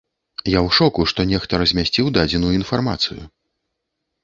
Я ў шоку, што нехта размясціў дадзеную інфармацыю.